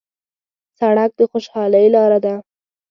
سړک د خوشحالۍ لاره ده.